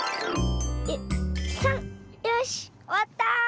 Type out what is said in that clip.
よしおわった！